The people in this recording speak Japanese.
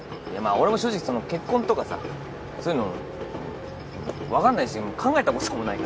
俺も正直その結婚とかさそういうの分かんないし考えたこともないから。